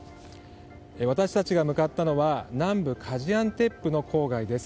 私たちが向かったのは南部ガジアンテップの郊外です。